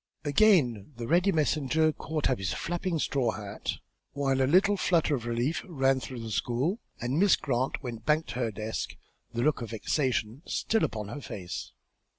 Again the ready messenger caught up his flapping straw hat, while a little flutter of relief ran through the school, and Miss Grant went back to her desk, the look of vexation still upon her face.